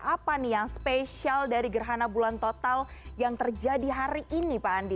apa nih yang spesial dari gerhana bulan total yang terjadi hari ini pak andi